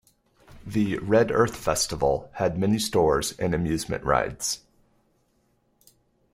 The 'Red Earth Festival' had many stores and amusement rides.